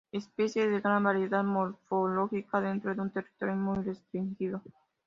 Especie de gran variabilidad morfológica, dentro de un territorio muy restringido.